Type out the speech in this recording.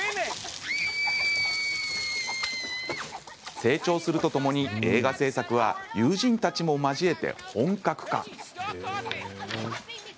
成長するとともに映画製作は友人たちも交えて本格化。